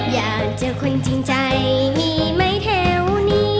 อยากเจอคนจริงใจมีไหมแถวนี้